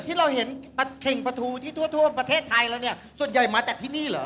ที่เราเห็นปลาเข่งปลาทูที่ทั่วทั่วประเทศไทยแล้วเนี่ยส่วนใหญ่มาจากที่นี่เหรอ